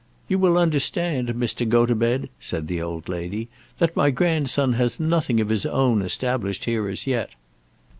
"You will understand, Mr. Gotobed," said the old lady, "that my grandson has nothing of his own established here as yet."